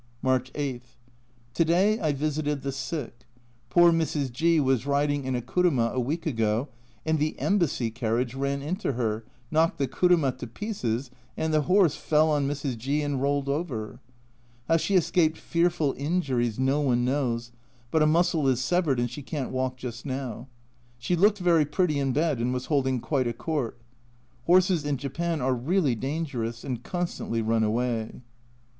March 8. To day I visited the sick. Poor Mrs. G was riding in a kuruma a week ago and the Embassy carriage ran into her, knocked the kuruma to pieces, and the horse fell on Mrs. G and rolled over ! How she escaped fearful injuries no one knows, but a muscle is severed and she can't walk just now. She looked very pretty in bed, and was holding quite a court. Horses in Japan are really dangerous and constantly run away.